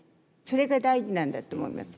それが大事なんだと思います。